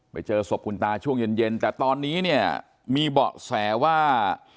ไปเจอศพคุณตาช่วงเย็นแต่ตอนนี้เนี่ยมีเบาะแสว่า